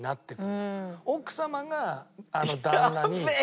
奥様が旦那に。